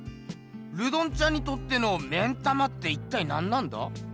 ルドンちゃんにとっての目ん玉って一体なんなんだ？